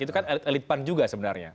itu kan elit pan juga sebenarnya